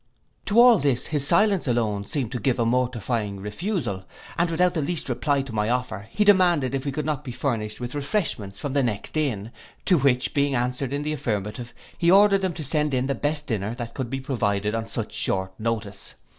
To all this his silence alone seemed to give a mortifying refusal, and without the least reply to my offer, he demanded if we could not be furnished with refreshments from the next inn, to which being answered in the affirmative, he ordered them to send in the best dinner that could be provided upon such short notice.